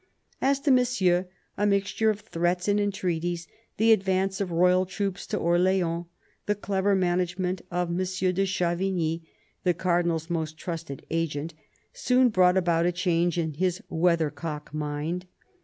As to Monsieur, a mixture of threats and entreaties, the advance of royal troops to Orleans, the clever manage ment of M. de Chavigny, the Cardinal's most trusted agent, soon brought about a change in his weathercock mind.